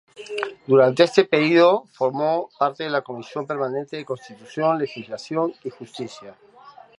Durante este período formó parte de la comisión permanente de Constitución, Legislación y Justicia.